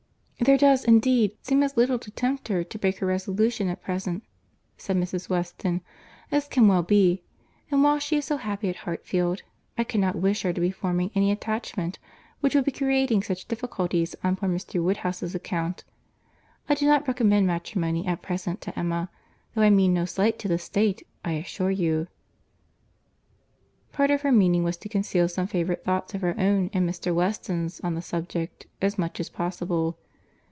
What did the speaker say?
"There does, indeed, seem as little to tempt her to break her resolution at present," said Mrs. Weston, "as can well be; and while she is so happy at Hartfield, I cannot wish her to be forming any attachment which would be creating such difficulties on poor Mr. Woodhouse's account. I do not recommend matrimony at present to Emma, though I mean no slight to the state, I assure you." Part of her meaning was to conceal some favourite thoughts of her own and Mr. Weston's on the subject, as much as possible.